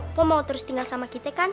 kok mau terus tinggal sama kita kan